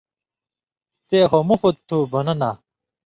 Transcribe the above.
تے خو مفُت تُھو بنہ نا